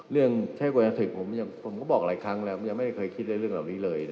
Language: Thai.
เรื่องเทศกุณะถึกผมก็บอกหลายครั้งแล้วยังไม่เคยคิดได้เรื่องเหล่านี้เลย